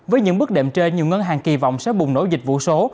với những bước đệm trên nhiều ngân hàng kỳ vọng sẽ bùng nổ dịch vụ số